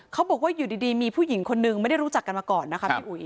เขาบอกว่าอยู่ดีมีผู้หญิงคนนึงไม่ได้รู้จักกันมาก่อนนะคะพี่อุ๋ย